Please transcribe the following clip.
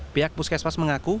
pihak puskesmas mengaku